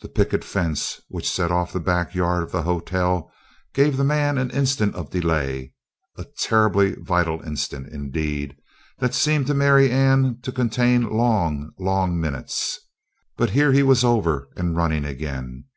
The picket fence which set off the back yard of the hotel gave the man an instant of delay a terribly vital instant, indeed, that seemed to Marianne to contain long, long minutes. But here he was over and running again.